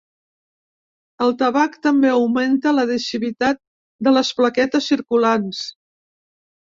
El tabac també augmenta l'adhesivitat de les plaquetes circulants.